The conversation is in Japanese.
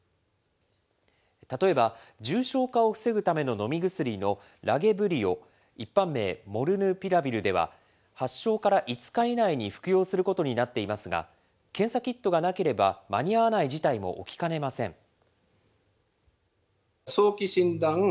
例えば、重症化を防ぐための飲み薬のラゲブリオ、一般名モルヌピラビルでは、発症から５日以内に服用することになっていますが、検査キットがなければ、間に合わない事態も起きかねません。